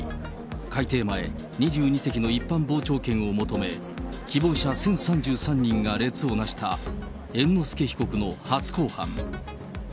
開廷前、２２席の一般傍聴券を求め、希望者１０３３人が列をなした猿之助被告の初公判。